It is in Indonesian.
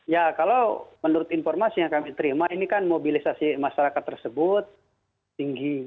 ya kalau menurut informasi yang kami terima ini kan mobilisasi masyarakat tersebut tinggi